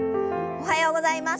おはようございます。